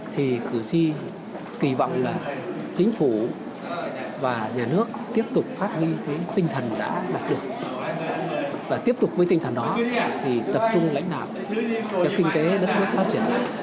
thì cử tri kỳ vọng là chính phủ và nhà nước tiếp tục phát huy cái tinh thần đã đạt được và tiếp tục với tinh thần đó thì tập trung lãnh đạo cho kinh tế đất nước phát triển